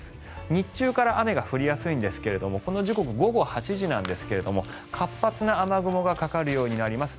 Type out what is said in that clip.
日中から雨が降りやすいんですがこの時刻、午後８時なんですが活発な雨雲がかかるようになります。